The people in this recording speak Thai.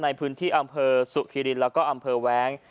ในพื้นที่อำเภอสุขิรินแล้วก็อำเภอแว้ง